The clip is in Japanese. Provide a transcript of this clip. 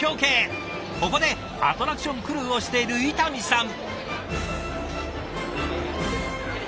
ここでアトラクションクルーをしている伊丹さん。